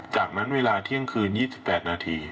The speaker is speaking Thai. จากนั้นเวลาเที่ยงคืน๒๘นาที